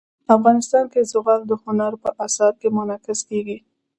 افغانستان کې زغال د هنر په اثار کې منعکس کېږي.